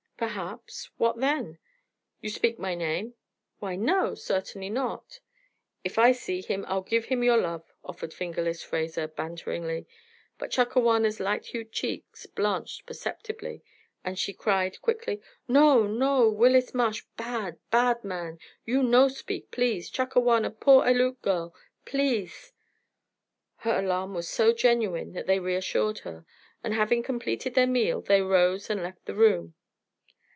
"Perhaps. What then?" "You speak my name?" "Why, no, certainly not." "If I see him, I'll give him your love," offered "Fingerless" Fraser, banteringly; but Chakawana's light hued cheeks blanched perceptibly, and she cried, quickly: "No! No! Willis Marsh bad, bad man. You no speak, please! Chakawana poor Aleut girl. Please?" Her alarm was so genuine that they reassured her; and having completed their meal, they rose and left the room.